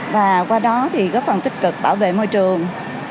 và qua đó thì góp phần tích cực bảo vệ môi trường